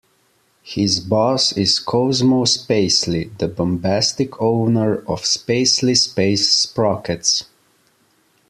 His boss is Cosmo Spacely, the bombastic owner of Spacely Space Sprockets.